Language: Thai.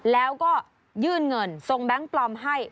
แล้วก็ยื่นเงินส่งแบงค์ปลอมให้